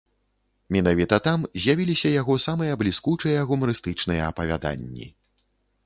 Менавіта там з'явіліся яго самыя бліскучыя гумарыстычныя апавяданні.